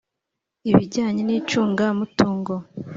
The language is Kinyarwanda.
ibijyanye n icungamutungo